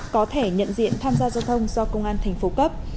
có thể nhận diện tham gia giao thông do công an thành phố cấp